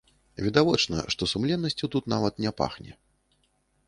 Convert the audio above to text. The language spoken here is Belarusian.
Відавочна, што сумленнасцю тут нават не пахне.